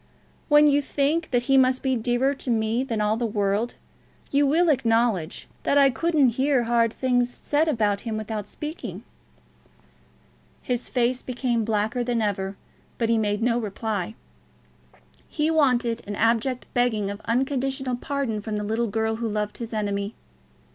"When you think that he must be dearer to me than all the world, you will acknowledge that I couldn't hear hard things said of him without speaking." His face became blacker than ever, but he made no reply. He wanted an abject begging of unconditional pardon from the little girl who loved his enemy.